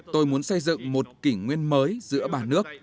tôi muốn xây dựng một kỷ nguyên mới giữa ba nước